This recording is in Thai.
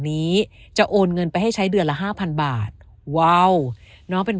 นี้จะโอนเงินไปให้ใช้เดือนละห้าพันบาทว้าวน้องเป็น